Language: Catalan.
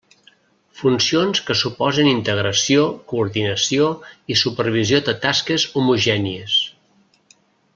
Funcions que suposen integració, coordinació i supervisió de tasques homogènies.